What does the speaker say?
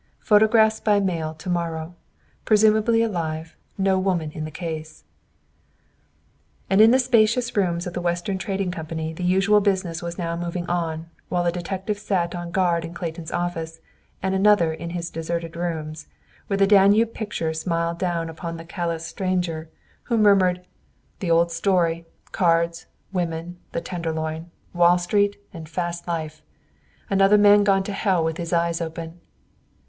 Photographs by mail to morrow. Presumably alive; no woman in the case." And in the spacious rooms of the Western Trading Company the usual business was now moving on, while a detective sat on guard in Clayton's office, and another in his deserted rooms, where the Danube picture smiled down upon the callous stranger, who murmured, "The old story, 'Cards, women, the Tenderloin, Wall Street, and fast life!' Another man gone to hell with his eyes open."